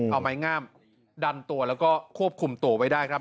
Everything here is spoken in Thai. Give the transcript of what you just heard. เอาไม้งามดันตัวแล้วก็ควบคุมตัวไว้ได้ครับ